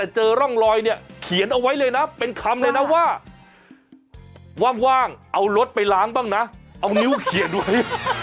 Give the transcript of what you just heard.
เจอร่องรอยเนี่ยเขียนเอาไว้เลยนะเป็นคำเลยนะว่าว่างเอารถไปล้างบ้างนะเอานิ้วเขียนไว้